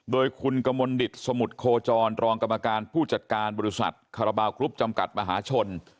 โดยคุณกมลดิตสมุทรโคจรรองกรรมการผู้จัดการบริษัทคาราบาลกรุ๊ปจำกัดมหาชน